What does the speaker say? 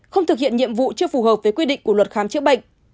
không thực hiện nhiệm vụ chưa phù hợp với quy định của luật khám chữa bệnh